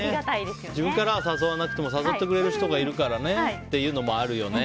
自分からは誘わなくても誘ってくれる人がいるからっていうのもあるよね。